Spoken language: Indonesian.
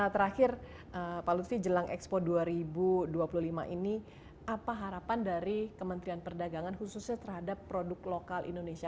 terakhir pak lutfi jelang expo dua ribu dua puluh lima ini apa harapan dari kementerian perdagangan khususnya terhadap produk lokal indonesia